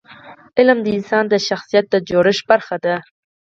علم د انسان د شخصیت د جوړښت برخه ده.